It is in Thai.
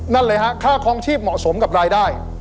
นั่นเลยฮะค่าคลองชีพเหมาะสมกับรายได้